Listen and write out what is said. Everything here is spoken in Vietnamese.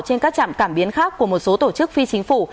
trên các trạm cảm biến khác của một số tổ chức phi chính phủ